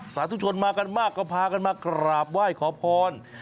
สาธุชนมากันมากก็พากันมากราบไหว้ขอพร